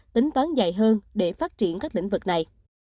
tính toán dài hơn để phát triển các lĩnh vực này